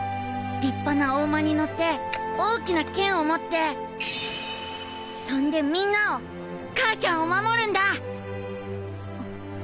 立派なお馬に乗って大きな剣を持ってそんでみんなを母ちゃんを守るんだ！